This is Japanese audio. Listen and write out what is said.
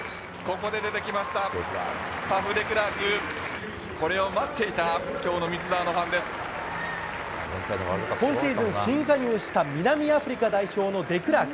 これを待っていた、今シーズン新加入した、南アフリカ代表のデクラーク。